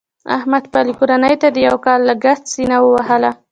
احمد خپلې کورنۍ ته د یو کال لګښت سینه ووهله.